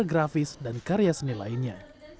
desainer grafis dan karya seni lainnya